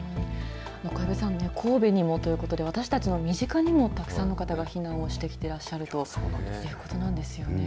小籔さん、神戸にもということで、私たちの身近にもたくさんの方が避難をしてきてらっしゃるということなんですよね。